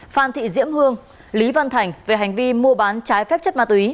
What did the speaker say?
phan thị diễm hương lý văn thành về hành vi mua bán trái phép chất ma túy